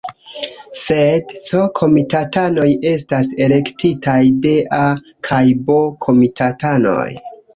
Sed C-komitatanoj estas elektitaj de A- kaj B-komitatanoj.